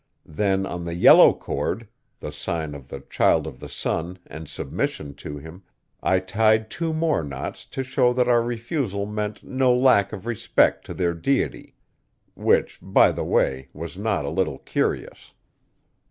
Then on the yellow cord the sign of the Child of the Sun and submission to him I tied two more knots to show that our refusal meant no lack of respect to their deity. Which, by the way, was not a little curious.